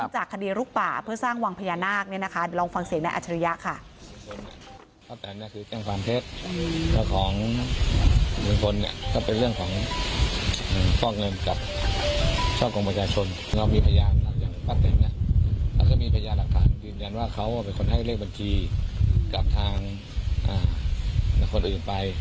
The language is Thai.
จากคดีรุกป่าเพื่อสร้างวังพญานาคลองฟังเสียงนางอัจฉริยาค่ะ